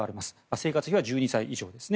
生活費は１２歳以上ですね。